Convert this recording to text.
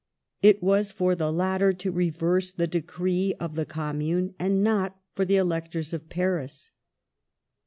It was for the latter to reverse the decree of the Com mune and not for the electors of Paris.